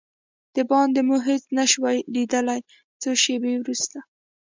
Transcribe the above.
دباندې مو هېڅ شی نه شوای لیدلای، څو شېبې وروسته.